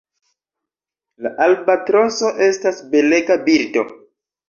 La Albatroso estas belega birdo.